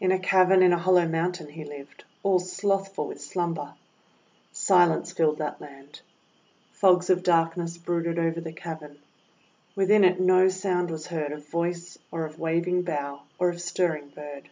In a cavern in a hollow mountain he lived, all slothful with slumber. Silence filled that land. Fogs of darkness brooded over the cav ern. Within it no sound was heard of voice, or of waving bough, or of stirring bird.